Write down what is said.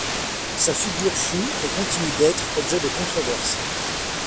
Sa figure fut, et continue d’être, objet de controverses.